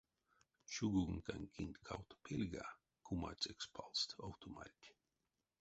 Чугункань кинть кавто пельга кумацекс палсть овтумарть.